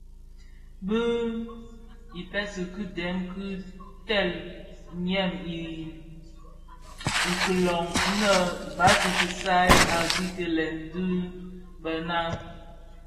Bi kisèp ki dèm ki teel dyèm ikilön innë bas a kisal a kikilen bi bë naa.